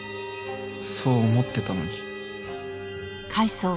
そう思ってたのに。